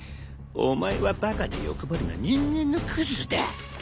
お前はバカで欲張りな人間のクズだ。